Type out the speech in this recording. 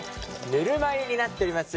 ぬるま湯になっております。